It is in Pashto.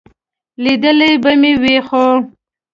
لیدلی به مې وي، خو ...